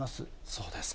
そうですか。